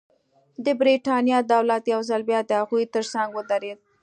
د برېټانیا دولت یو ځل بیا د هغوی ترڅنګ ودرېد.